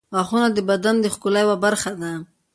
• غاښونه د بدن د ښکلا یوه برخه ده.